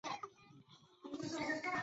现在该建筑被作为博物馆使用。